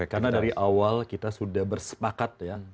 karena dari awal kita sudah bersepakat ya